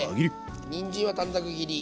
にんじんは短冊切り。